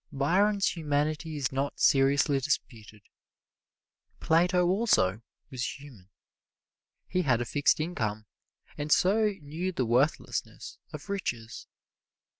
Byron's humanity is not seriously disputed. Plato also was human. He had a fixed income and so knew the worthlessness of riches.